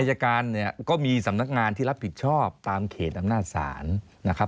อายการเนี่ยก็มีสำนักงานที่รับผิดชอบตามเขตอำนาจศาลนะครับ